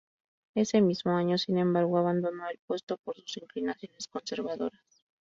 Ese mismo año, sin embargo, abandonó el puesto por sus inclinaciones conservadoras.